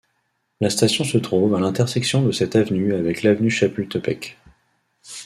La station se trouve à l'intersection de cette avenue avec l'avenue Chapultepec.